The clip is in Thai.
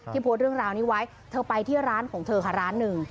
ที่โพสเรื่องราวนี้ไว้เธอไปที่ร้านของเธอค่ะร้าน๑